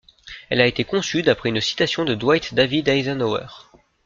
Elle a été conçue d'après une citation de Dwight David Eisenhower.